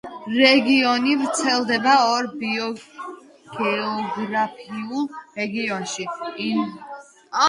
რეგიონი ვრცელდება ორ ბიოგეოგრაფიულ რეგიონში: ინდონეზია–ფილიპინებისა და სამხრეთ დასავლეთ ოკეანეთის რეგიონებში.